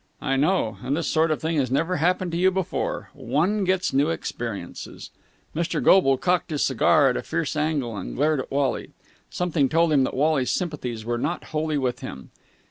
"I know. And this sort of thing has never happened to you before. One gets new experiences." Mr. Goble cocked his cigar at a fierce angle, and glared at Wally. Something told him that Wally's sympathies were not wholly with him.